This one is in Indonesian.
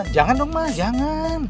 jangan dong ma jangan